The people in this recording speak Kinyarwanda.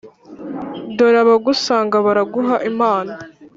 dore abagusanga baraguha impano